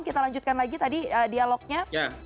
kita lanjutkan lagi tadi dialognya